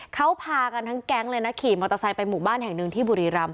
เขาพากันทั้งแก๊งเลยนะขี่มอเตอร์ไซค์ไปหมู่บ้านแห่งหนึ่งที่บุรีรำ